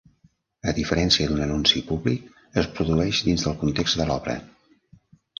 A diferència d'un anunci públic, es produeix dins del context de l'obra.